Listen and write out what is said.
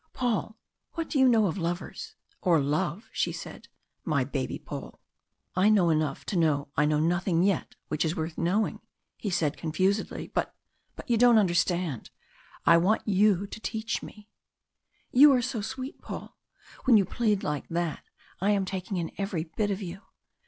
"Paul what do you know of lovers or love?" she said. "My baby Paul!" "I know enough to know I know nothing yet which is worth knowing," he said confusedly. "But but don't you understand, I want you to teach me " "You are so sweet, Paul! when you plead like that I am taking in every bit of you.